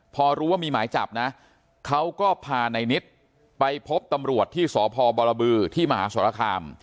พอรู้ว่ามีหมายจับนะเขาก็พาในนิดไปพบตำรวจที่สพบรบือที่มหาสรคาม